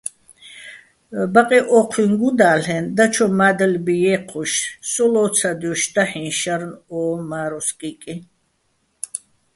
ბაყეჸ ო́ჴუიჼ გუდა́ლ'ეჼ, დაჩო მა́დლბი ჲე́ჴოშ, სო ლო́ცადჲოშ დაჰ̦იჼ შარნ ო მა́როს კიკი.